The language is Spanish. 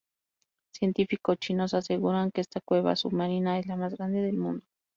Científicos chinos aseguran que esta cueva submarina es la más grande del mundo.